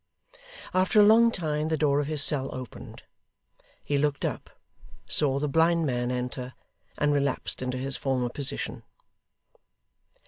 After a long time the door of his cell opened. He looked up; saw the blind man enter; and relapsed into his former position.